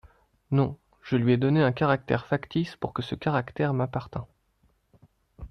Non, je lui ai donné un caractère factice, pour que ce caractère m’appartint…